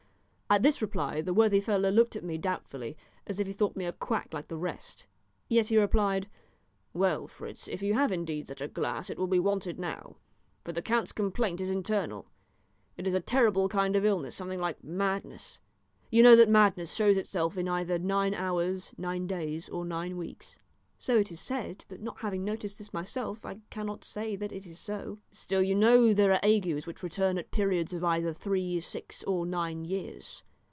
At this reply the worthy fellow looked at me doubtfully as if he thought me a quack like the rest, yet he replied "Well, Fritz, if you have indeed such a glass it will be wanted now, for the count's complaint is internal; it is a terrible kind of illness, something like madness. You know that madness shows itself in either nine hours, nine days, or nine weeks?" "So it is said; but not having noticed this myself, I cannot say that it is so." "Still you know there are agues which return at periods of either three, six, or nine years.